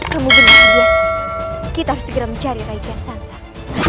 kamu benar abiasa kita harus segera mencari rais yang santan